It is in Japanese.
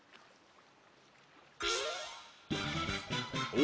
お？